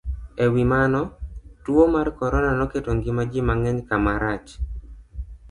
E wi mano, tuwo mar corona noketo ngima ji mang'eny kama rach,